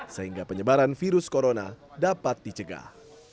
sehingga penyebaran virus corona dapat dicegah